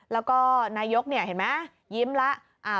แล้วก็นายกเห็นไหมยิ้มแล้ว